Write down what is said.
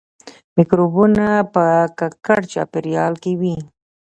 مکروبونه په ککړ چاپیریال کې وي